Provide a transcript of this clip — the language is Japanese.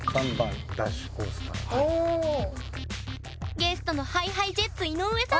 ゲストのＨｉＨｉＪｅｔｓ井上さん！